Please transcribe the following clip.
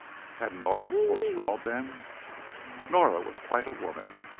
Had Nora forestalled them them? Nora was quite a woman.